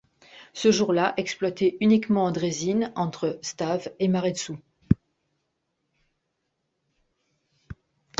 Ce jour-là, exploité uniquement en Draisine entre Stave et Maredsous.